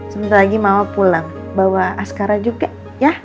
sebentar lagi mau pulang bawa askara juga ya